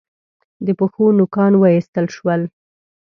د پښو نوکان و ایستل شول.